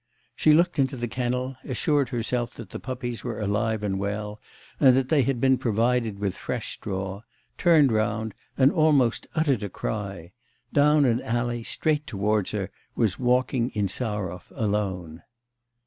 She looked into the kennel, assured herself that the puppies were alive and well, and that they had been provided with fresh straw, turned round, and almost uttered a cry; down an alley straight towards her was walking Insarov, alone.